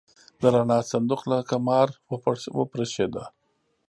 د رڼا صندوق لکه مار وپرشېده.